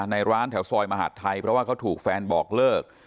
ในร้านแถวซอยมหาดไทยเพราะว่าเขาถูกแฟนบอกเลิก